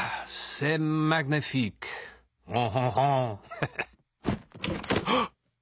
ハハハッ。